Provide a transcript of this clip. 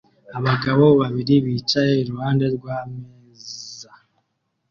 abagabo babiri bicaye iruhande rw'ameza